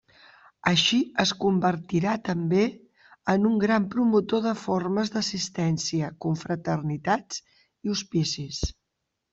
Així, es convertirà també en un gran promotor de formes d'assistència, confraternitats i hospicis.